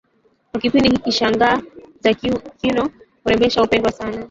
kwa kipindi hiki shanga za kioo bila urembesho hupendwa sana